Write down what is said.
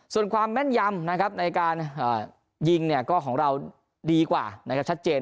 ส่วนความแม่นยำนะครับในการยิงก็ของเราดีกว่านะครับชัดเจน